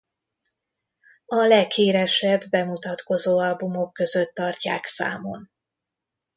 A leghíresebb bemutatkozó albumok között tartják számon.